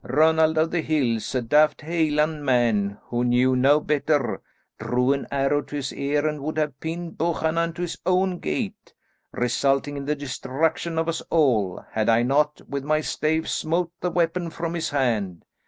Ronald of the Hills, a daft Heilan'man who knew no better, drew an arrow to his ear and would have pinned Buchanan to his own gate, resulting in the destruction of us all, had I not, with my stave, smote the weapon from his hand.